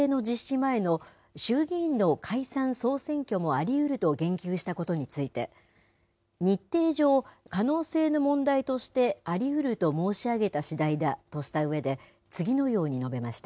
前の衆議院の解散・総選挙もありうると言及したことについて、日程上、可能性の問題としてありうると申し上げたしだいだとしたうえで、次のように述べました。